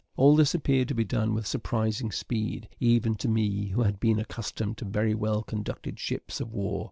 All this appeared to be done with surprising speed, even to me who had been accustomed to very well conducted ships of war.